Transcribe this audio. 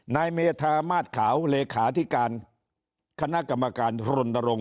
นายเมธามาศขาวเลขาธิการคณะกรรมการรณรงค